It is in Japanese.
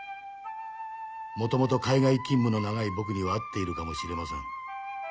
もともと海外勤務の長い僕には合っているかも知れません。